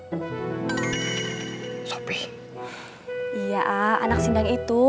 a'ah teh sudah berapa lama pacaran sama anak sindang itu